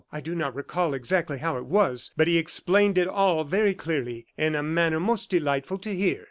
I do not recall exactly how it was, but he explained it all very clearly, in a manner most delightful to hear."